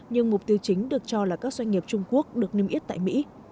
nhưng mục tiêu chính được cho là các doanh nghiệp trung quốc được niêm yết tại mỹ